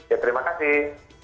ya terima kasih